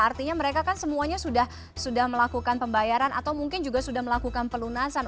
artinya mereka kan semuanya sudah melakukan pembayaran atau mungkin juga sudah melakukan pelunasan